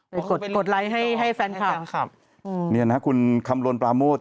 กดกดไลค์ให้ให้แฟนคลับนะครับอืมเนี่ยนะฮะคุณคำลนปราโมท